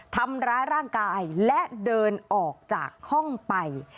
ทำร้ายร่างกายและเดินออกจากห้องไป